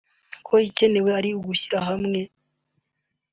ko igikenewe ari ugushyira hamwe